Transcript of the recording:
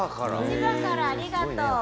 千葉からありがとう。